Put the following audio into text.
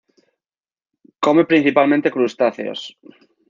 Come principalmente crustáceos.